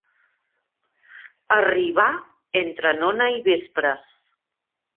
Arribà entre nona i vespres.